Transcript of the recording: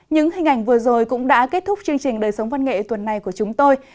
những hình ảnh vừa rồi cũng đã kết thúc chương trình đời sống văn nghệ tuần này của chúng tôi